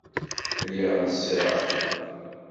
Lliɣ nessreɣ.